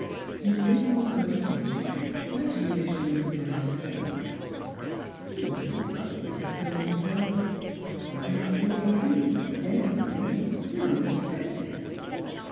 His dismal cogitations gradually assumed a brighter tone. He was not old, he told himself, — even at forty three the " dead line " was still in the perspective.